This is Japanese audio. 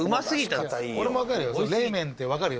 俺も分かるよ